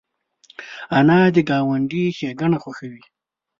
انا د ګاونډي ښېګڼه خوښوي